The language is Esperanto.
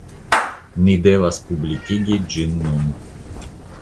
Ni devas publikigi ĝin nun.